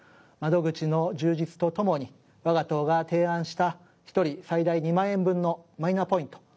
窓口の充実とともに我が党が提案した一人最大２万円分のマイナポイント